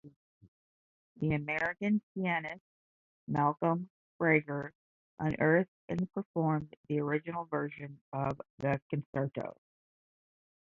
The American pianist Malcolm Frager unearthed and performed the original version of the concerto.